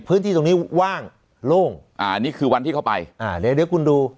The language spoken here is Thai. พื้นที่ตรงนี้ว่างโล่งอ่าอันนี้คือวันที่เข้าไปอ่าเดี๋ยวเดี๋ยวคุณดู